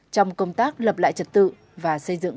trong công tác lập lại trật tự và xây dựng vận động